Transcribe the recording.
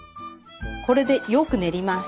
これでよく練ります。